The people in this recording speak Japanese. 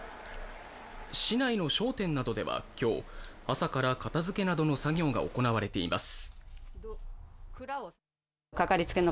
市内の商店などでは今日、朝から片づけなどの作業が行われています。